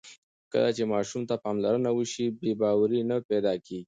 کله چې ماشوم ته پاملرنه وشي، بې باوري نه پیدا کېږي.